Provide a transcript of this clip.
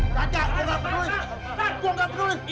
raja gue gak peduli gue gak peduli